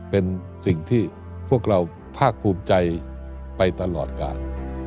เป็นสิ่งที่พวกเราภาคภูมิใจไปตลอดกาล